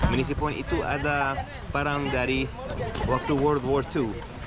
munisi point itu ada barang dari waktu world war ii